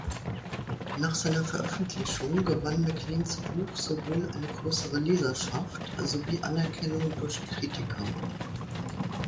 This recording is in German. Nach seiner Veröffentlichung gewann Macleans Buch sowohl eine größere Leserschaft sowie Anerkennung durch Kritiker.